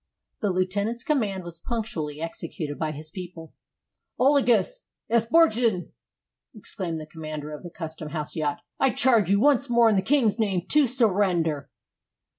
The lieutenant's command was punctually executed by his people. "Olagus Esbjörnsson," exclaimed the commander of the Custom house yacht, "I charge you once more in the King's name to surrender!"